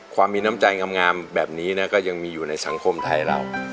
ความมีน้ำใจงามแบบนี้นะก็ยังมีอยู่ในสังคมไทยเรา